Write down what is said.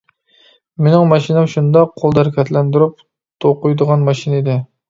مېنىڭ ماشىنام شۇنداق قولدا ھەرىكەتلەندۈرۈپ توقۇيدىغان ماشىنا ئىدى.